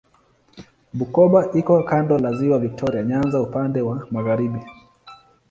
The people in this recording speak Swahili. Bukoba iko kando la Ziwa Viktoria Nyanza upande wa magharibi.